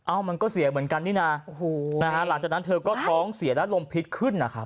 อ้าวมันก็เสียเหมือนกันนี่นะหลังจากนั้นเธอก็ท้องเสียแล้วลมพิษขึ้นนะครับ